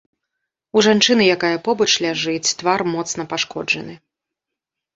У жанчыны, якая побач ляжыць, твар моцна пашкоджаны.